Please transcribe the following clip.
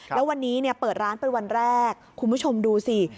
แล้ววันนี้เปิดร้านเป็นวันแรกคุณผู้ชมดูสิ